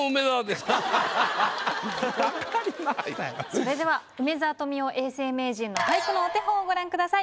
それでは梅沢富美男永世名人の俳句のお手本をご覧ください